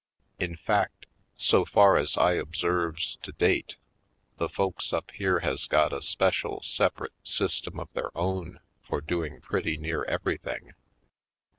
In fact, so far as I observes to date, the folks up here has got a special separate sys tem of their own for doing pretty near everything.